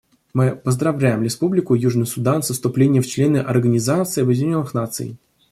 Мы поздравляем Республику Южный Судан со вступлением в члены Организации Объединенных Наций.